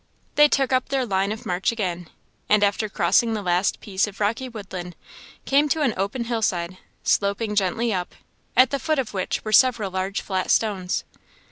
They took up their line of march again, and after crossing the last piece of rocky woodland, came to an open hill side, sloping gently up, at the foot of which were several large flat stones.